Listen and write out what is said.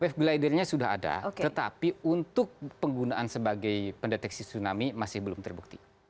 wave glidernya sudah ada tetapi untuk penggunaan sebagai pendeteksi tsunami masih belum terbukti